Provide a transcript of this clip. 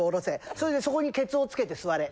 それでそこにケツをつけて座れ。